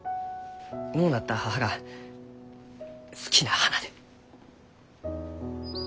亡うなった母が好きな花で。